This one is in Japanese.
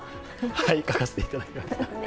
はい、書かせていただきました。